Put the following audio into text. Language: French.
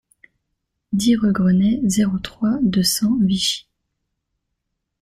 dix rue Grenet, zéro trois, deux cents, Vichy